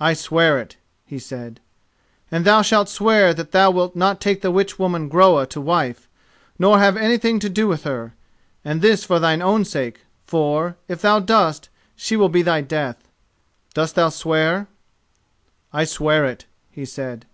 "I swear it," he said. "And thou shalt swear that thou wilt not take the witchwoman Groa to wife, nor have anything to do with her, and this for thine own sake: for, if thou dost, she will be thy death. Dost thou swear?" "I swear it," he said.